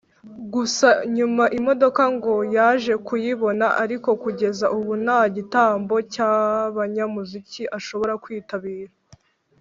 Gusa nyuma imodoka ngo yaje kuyibona ariko kugeza ubu nta gitaramo cy'abanyamuziki ashobora kwitabira